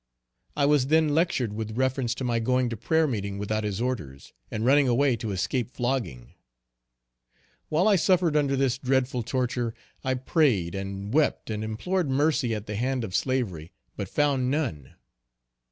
I was then lectured with reference to my going to prayer meeting without his orders, and running away to escape flogging. While I suffered under this dreadful torture, I prayed, and wept, and implored mercy at the hand of slavery, but found none.